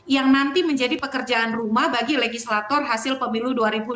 yang nanti menjadi pekerjaan rumah bagi legislator hasil pemilu dua ribu dua puluh